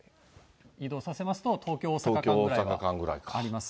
移動させますと、東京・大阪間ぐらいか。